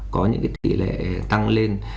có những cái tỷ lệ tăng lên